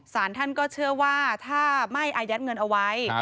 สารท่านก็เชื่อว่าถ้าไม่อายัดเงินเอาไว้